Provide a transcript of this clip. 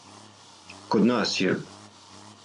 Код нас је.